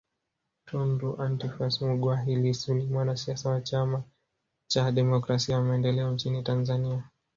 Tundu Antiphas Mughwai Lissu ni mwanasiasa wa Chama cha Demokrasia na Maendeleo nchini Tanzania